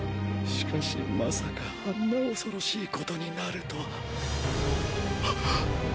しかしまさかあんな恐ろしいことになるとは。ッ！！